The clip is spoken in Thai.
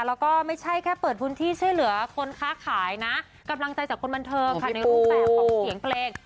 น่าไม่ใช่แค่เปิดพื้นที่ใช่เหรอคนค้าขายนะกำลังใจจากคนบันเทิมในต้วแสวของเสียงเพลง